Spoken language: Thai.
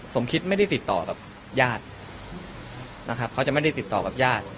สมคิดไม่ได้ติดต่อกับญาตินะครับเขาจะไม่ได้ติดต่อกับญาติ